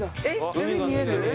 海見える？